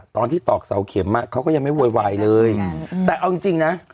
ตอกเสาเข็มอ่ะเขาก็ยังไม่โวยวายเลยแต่เอาจริงจริงนะ